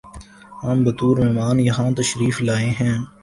ہم بطور مہمان یہاں تشریف لائے ہیں